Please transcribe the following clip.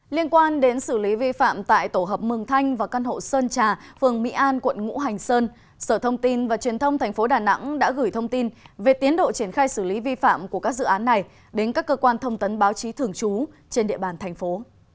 liên quan đến xử lý vi phạm tại tổ hợp mường thanh và căn hộ sơn trà phường mỹ an quận ngũ hành sơn sở thông tin và truyền thông tp đà nẵng đã gửi thông tin về tiến độ triển khai xử lý vi phạm của các dự án này đến các cơ quan thông tấn báo chí thường trú trên địa bàn thành phố